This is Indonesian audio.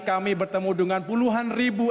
kami bertemu dengan puluhan ribu